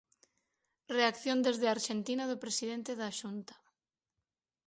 Reacción desde a Arxentina do presidente da Xunta.